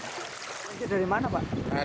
banjir dari mana pak